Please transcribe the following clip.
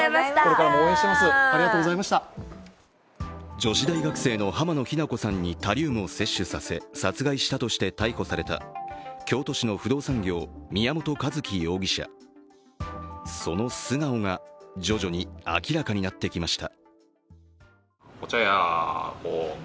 女子大学生の濱野日菜子さんにタリウムを摂取させ殺害したとして逮捕された京都市の不動産業宮本一希容疑者、その素顔が徐々に明らかになってきました。